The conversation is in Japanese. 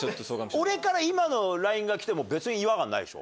俺から今のＬＩＮＥが来ても別に違和感ないでしょ？